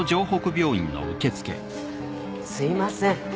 すいません